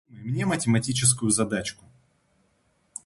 Мне математическую задачку.